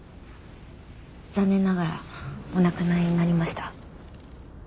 残念ながらお亡くなりになりました。